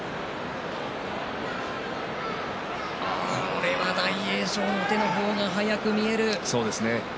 これは大栄翔の手の方が早く見える。